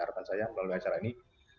harapan saya melalui acara ini